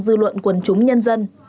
dư luận quần chúng nhân dân